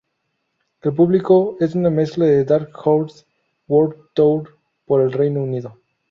El público es una mezcla del Dark Horse World Tour por el Reino Unido.